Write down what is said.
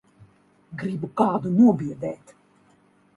Gribu kādu nobiedēt.